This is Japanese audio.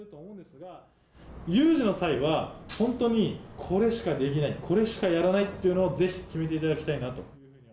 有事の際は本当にこれしかできない、これしかやらないっていうのをぜひ決めていただきたいなと。